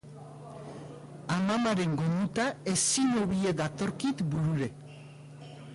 Amamaren gomuta ezin hobie datorkit burure